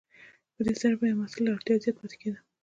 په دې سره به یو محصول له اړتیا زیات پاتې کیده.